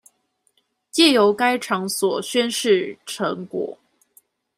藉由該場所宣示成果